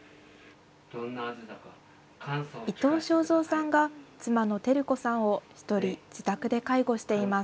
伊東昭蔵さんが妻の輝子さんを一人、自宅で介護しています。